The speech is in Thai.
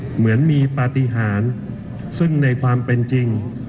เหมือนมีปฏิหารซึ่งในความเป็นจริง